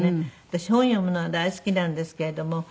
私本読むのが大好きなんですけれども。